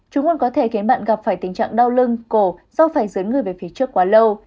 chúng còn có thể khiến bạn gặp phải tình trạng đau lưng cổ do phải dưới người về phía trước quá lâu